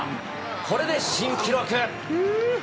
これで新記録。